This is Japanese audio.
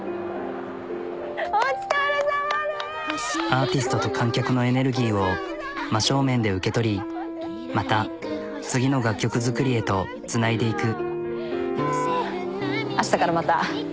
アーティストと観客のエネルギーを真正面で受け取りまた次の楽曲作りへとつないでいく。